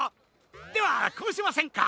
ではこうしませんか？